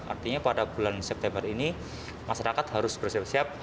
artinya pada bulan september ini masyarakat harus bersiap siap